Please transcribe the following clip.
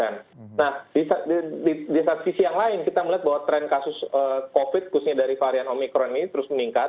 nah di sisi yang lain kita melihat bahwa tren kasus covid khususnya dari varian omikron ini terus meningkat